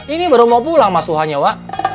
ini baru mau pulang mas suha nya wa